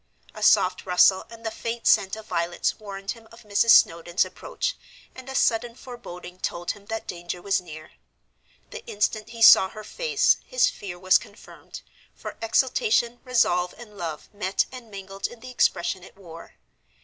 A soft rustle and the faint scent of violets warned him of Mrs. Snowdon's approach, and a sudden foreboding told him that danger was near. The instant he saw her face his fear was confirmed, for exultation, resolve, and love met and mingled in the expression it wore.